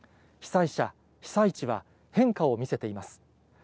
被災者、被災地は、変化を見せています。